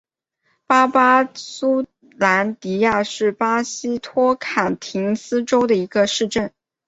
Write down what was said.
巴巴苏兰迪亚是巴西托坎廷斯州的一个市镇。